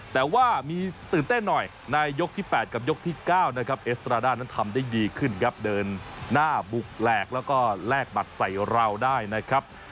แต่ว่ามีตื่นเต้นหน่อยในยกที่๘กับยกที่๙นะครับเอสตราด้านั้นทำได้ดีขึ้นครับเดินหน้าบุกแหลกแล้วก็แลกบัตรใส่เราได้นะครับ